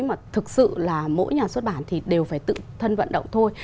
mà thực sự là mỗi nhà xuất bản thì đều phải tự thân vận động thôi